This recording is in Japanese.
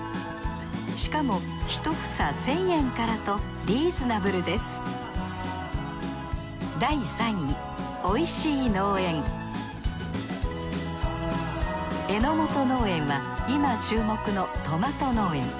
しかも１房１，０００円からとリーズナブルです榎本農園は今注目のトマト農園。